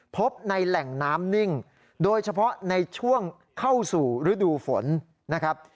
พบในแหล่งน้ำนิ่งโดยเฉพาะในช่วงเข้าสู่ฤดูฝนนะครับ